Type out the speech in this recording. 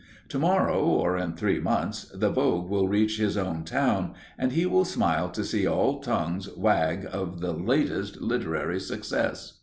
Tomorrow, or in three months, the vogue will reach his own town, and he will smile to see all tongues wag of the latest literary success.